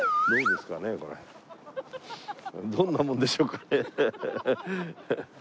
どんなもんでしょうかね？